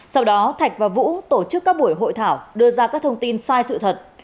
sau đó thạch và vũ tổ chức các buổi hội thảo đưa ra các thông tin sai sự thật